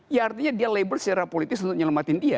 ya artinya dia label secara politis untuk nyelamatin dia